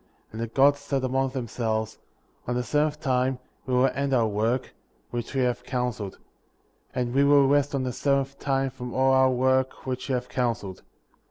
2. And the Gods said among themselves : On the seventh time^ we will end our work, which we have counseled ; and we will rest on the seventh time from all our work which we have counseled.